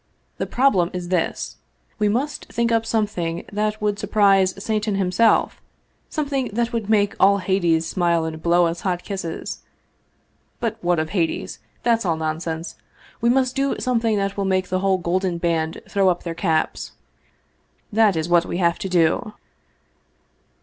The problem is this: we must think up something that would surprise Satan himself, something that would make all Hades smile and blow us hot kisses. But what of Hades ? that's all nonsense. We must do something that will make the whole Golden Band throw up their caps. That is what we have to do!